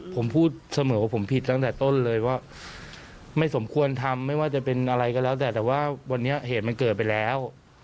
ผมพูดเสมอว่าผมผิดตั้งแต่ต้นเลยว่าไม่สมควรทำไม่ว่าจะเป็นอะไรก็แล้วแต่แต่ว่าวันนี้เหตุมันเกิดไปแล้ว